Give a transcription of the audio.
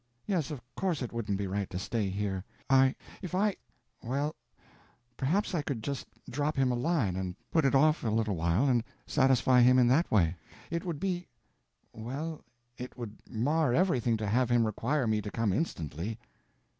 Yes, of course it wouldn't be right to stay here. If I—well, perhaps I could just drop him a line and put it off a little while and satisfy him in that way. It would be—well, it would mar everything to have him require me to come instantly."